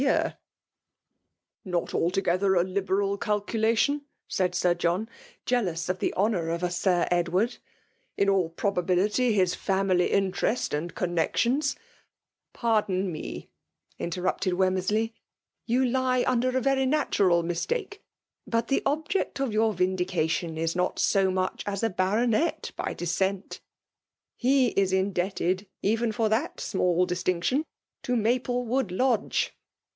year/' '* Not altogether a liberal calculation^'* said; 9ir John, jealous of the honour of a. Sir JLd* ward: ''in all probability his family interest and connexions —''Pardon mc/' interrupted Wemmersley ;^ you lie under a verjr natural mistake. But the object of your vindication is not so muett* as a baronet by descent. He is indebted even for that small distinction to Mxplewood Lodge.